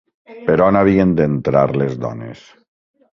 Per on havien d'entrar les dones?